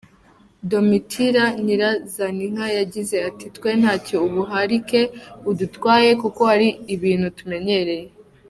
Domitira Nyirazaninka yagize ati “Twe ntacyo ubuharike budutwaye kuko ari ibintu tumenyereye”.